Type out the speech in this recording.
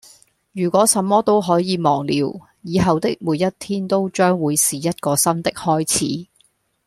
如果什麼都可以忘了，以後的每一天都將會是一個新的開始